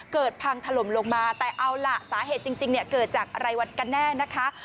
เกิดพังถล่มลงมาแต่เอาล่ะสาเหตุจริงเกิดจากอะไรกันแน่นะคะ